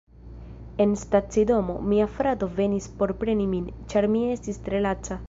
En stacidomo, mia frato venis por preni min, ĉar mi estis tre laca.